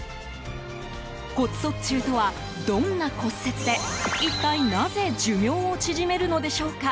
骨卒中とは、どんな骨折で一体なぜ寿命を縮めるのでしょうか。